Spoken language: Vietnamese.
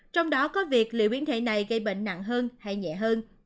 trong đó có việc liệu biến thể này gây bệnh nặng hơn hay nhẹ hơn